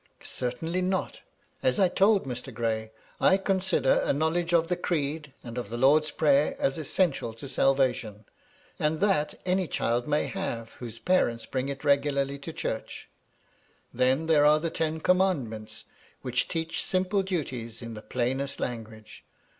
" Certainly not. As I told Mr. Gray, I consider a knowledge of the Creed, and of the Lord's Prayer, as essential to salvation ; and that any child may have, whose parents bring it regularly to church. Then there are the Ten Commandments, which teach simple duties in the plainest language.